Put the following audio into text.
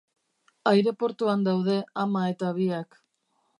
Aireportuan daude ama eta biak.